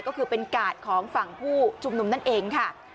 ก็คือเป็นกาดของฝั่งผู้ชุมนุมนั่นเองค่ะ